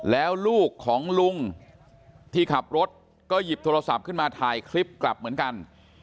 แล้วลูกของลุงที่ขับรถก็หยิบโทรศัพท์ขึ้นมาถ่ายคลิปกลับเหมือนกัน